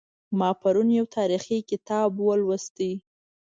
ما پرون یو تاریخي کتاب ولوست